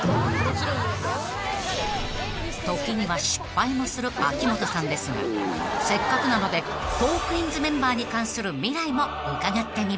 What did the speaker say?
［時には失敗もする秋元さんですがせっかくなのでトークィーンズメンバーに関する未来も伺ってみました］